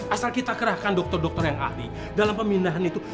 asal kita kerahkan dokter dokter yang ahli dalam pemindahan itu